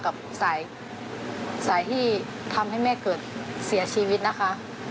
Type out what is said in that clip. กับสายที่ทำให้แม่เกิดเสียชีวิตนะคะ